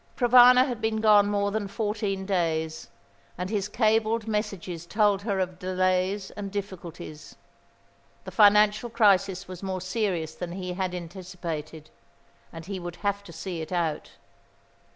Provana had been gone more than fourteen days, and his cabled messages told her of delays and difficulties. The financial crisis was more serious than he had anticipated, and he would have to see it out.